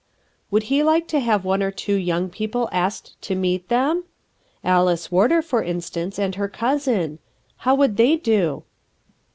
WOULD lie like to have one or two young people asked to meet them? Alice Warder, for instance, and her cousin. How would they do?"